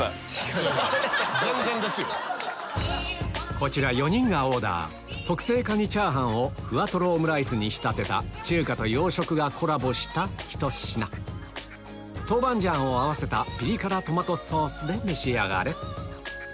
こちら４人がオーダー特製カニチャーハンをふわとろオムライスに仕立てた中華と洋食がコラボしたひと品ピリ辛トマトソースで召し上がれ